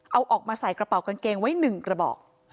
เอาออกมาใส่กระเป๋ากางเกงไว้๑กระบอก